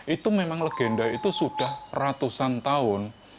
itu memang legenda itu sudah ratusan tahun